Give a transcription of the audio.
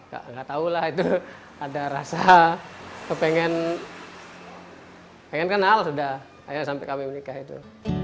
tidak tahu lah itu ada rasa saya ingin kenal sudah sampai kami menikah itu